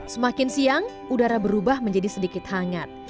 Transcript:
semakin siang udara berubah menjadi sedikit hangat